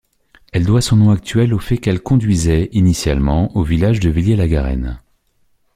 Elle doit son nom actuel au fait qu'elle conduisait, initialement, au village de Villiers-la-Garenne.